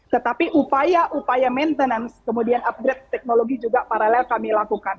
tetapi upaya upaya maintenance kemudian upgrade teknologi juga paralel kami lakukan